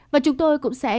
và chúng tôi cũng sẽ